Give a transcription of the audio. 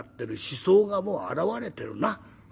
死相がもう表れてるな。